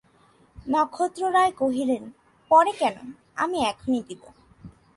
নক্ষত্ররায় কহিলেন, পরে কেন, আমি এখনি দিব।